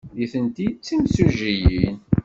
Nitenti d timsujjiyin.